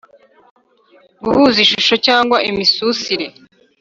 guhuza ishusho cyangwa imisusire,